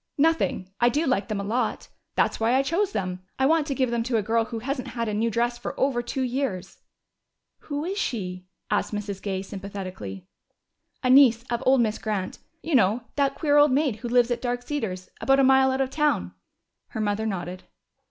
"Nothing. I do like them a lot. That's why I chose them. I want to give them to a girl who hasn't had a new dress for over two years." "Who is she?" asked Mrs. Gay sympathetically. "A niece of old Miss Grant. You know that queer old maid who lives at Dark Cedars. About a mile out of town." Her mother nodded.